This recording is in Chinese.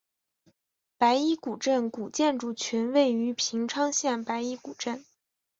白衣古镇古建筑群位于平昌县白衣古镇。